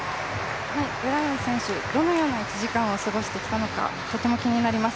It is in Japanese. ブラウン選手、どのような１時間を過ごしてきたのかとても気になります。